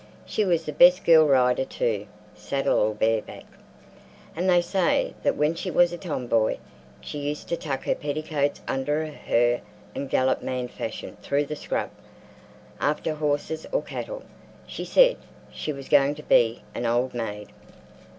She was the best girlrider too (saddle or bare back), and they say that when she was a tomboy she used to tuck her petticoats under her and gallop man fashion through the scrub after horses or cattle. She said she was going to be an old maid.